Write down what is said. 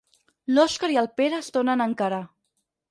L'Òskar i el Pere es tornen a encarar.